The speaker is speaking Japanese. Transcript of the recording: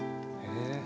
へえ。